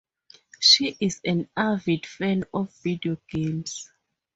She is an avid fan of video games.